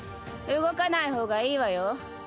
動かない方がいいわよ。